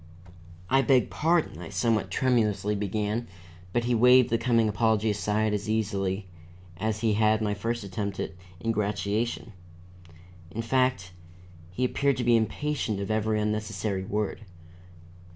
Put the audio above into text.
"I beg pardon," I somewhat tremulously began, but he waved the coming apology aside as easily, as he had my first attempt at ingratiation. In fact, he appeared to be impatient of every unnecessary word.